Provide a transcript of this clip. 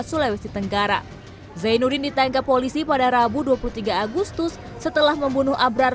sulawesi tenggara zainuddin ditangkap polisi pada rabu dua puluh tiga agustus setelah membunuh abrar